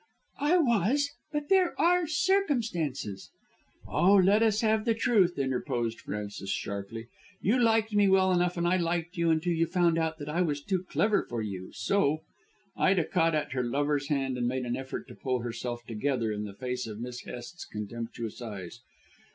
"I was, but there are circumstances " "Oh, let us have the truth," interposed Frances sharply. "You liked me well enough and I liked you until you found that I was too clever for you, so " Ida caught at her lover's hand and made an effort to pull herself together in the face of Miss Hest's contemptuous eyes.